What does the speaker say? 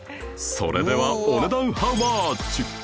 それではお値段ハウマッチ？